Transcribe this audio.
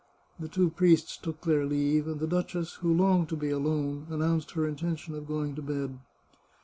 The two priests took their leave, and the duchess, who longed to be alone, announced her intention of going to bed.